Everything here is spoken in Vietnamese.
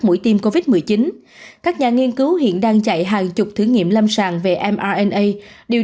mũi tiêm covid một mươi chín các nhà nghiên cứu hiện đang chạy hàng chục thử nghiệm lâm sàng về mrna điều